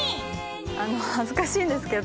恥ずかしいんですけど。